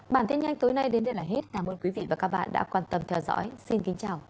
bản tin nhanh tối nay đến đây là hết cảm ơn quý vị và các bạn đã quan tâm theo dõi xin kính chào và hẹn gặp lại